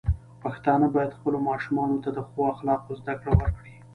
پښتانه بايد خپلو ماشومانو ته د ښو اخلاقو زده کړه ورکړي.